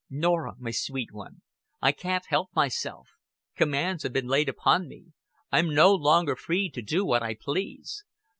"Norah, my sweet one, I can't help myself. Commands have been laid upon me. I'm no longer free to do what I please.